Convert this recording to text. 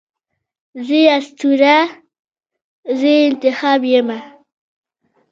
زه یې اسطوره، زه انتخاب یمه